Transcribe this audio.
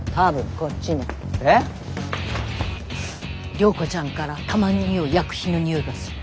涼子ちゃんからたまににおう薬品のにおいがする。